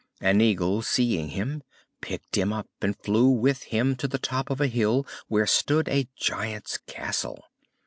An eagle seeing him, picked him up and flew with him to the top of a hill where stood a giant's castle.